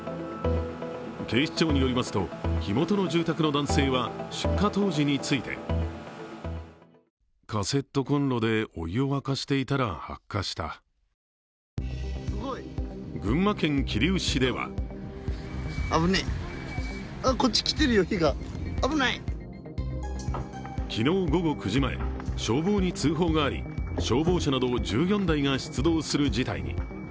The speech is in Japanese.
警視庁によりますと、火元の住宅の男性は出火当時について群馬県桐生市では昨日午後９時前、消防に通報があり、消防車など１４台が出動する事態に。